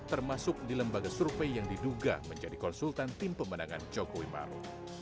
termasuk di lembaga survei yang diduga menjadi konsultan tim pemenangan jokowi maru